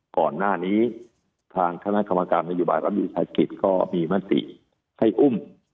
ก่อนหน้านี้ทางคณะคมการมนตรีบรัฐมนตรีศาสตร์กิจก็มีมาติให้อุ้ม